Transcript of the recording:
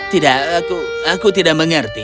tidak aku aku tidak mengerti